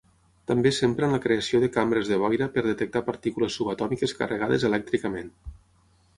També s'empra en la creació de cambres de boira per detectar partícules subatòmiques carregades elèctricament.